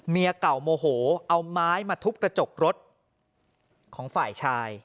เมียเก่าโมโหเอาไม้มาทุบกระจกรถของฝ่ายชาย